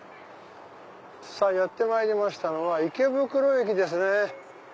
さぁやってまいりましたのは池袋駅ですね。